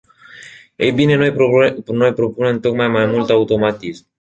Ei bine, noi propunem tocmai mai mult automatism.